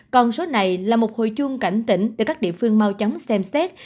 còn số này là một hồi chuông cảnh tỉnh để các địa phương mau chóng xem xét